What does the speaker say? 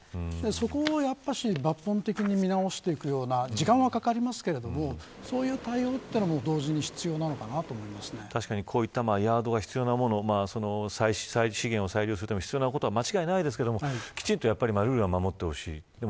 そこを抜本的に見直していくような時間はかかるけどそういう対応も確かに、こういったヤードが必要なもの資源を再利用するために必要なことには間違いないですがきちんとルールは守ってほしい。